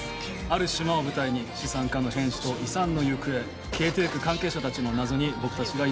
ある島を舞台に資産家の変死と遺産の行方消えていく関係者たちの謎に僕たちが挑みます。